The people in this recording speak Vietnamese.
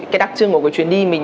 cái đặc trưng của cái chuyến đi